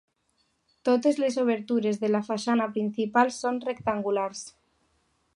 Totes les obertures de la façana principal són rectangulars.